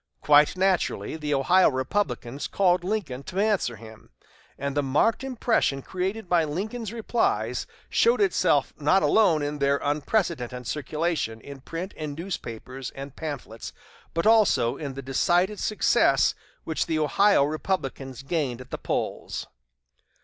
Quite naturally, the Ohio Republicans called Lincoln to answer him, and the marked impression created by Lincoln's replies showed itself not alone in their unprecedented circulation in print in newspapers and pamphlets, but also in the decided success which the Ohio Republicans gained at the polls.